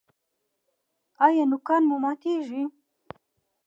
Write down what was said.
ایا نوکان مو ماتیږي؟